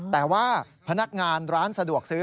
แต่ว่าพนักงานร้านสะดวกซื้อ